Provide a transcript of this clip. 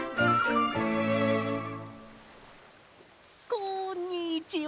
こんにちは。